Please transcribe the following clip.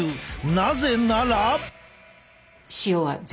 なぜなら。